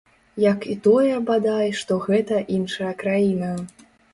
Як і тое, бадай, што гэта іншая краіна.